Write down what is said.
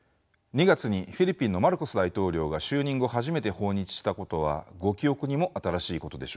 ２月にフィリピンのマルコス大統領が就任後初めて訪日したことはご記憶にも新しいことでしょう。